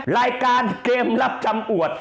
รายการเกมรับจำอวด